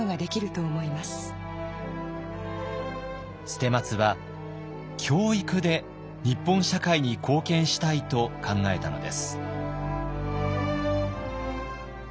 捨松は教育で日本社会に貢献したいと考えたのです。